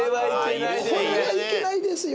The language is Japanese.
これは行けないですよ。